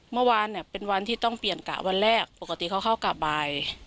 เมื่อวานเนี่ยเป็นวันที่ต้องเปลี่ยนกะวันแรกปกติเขาเข้ากะบ่าย